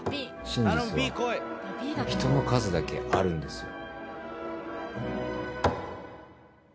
「真実は人の数だけあるんですよ」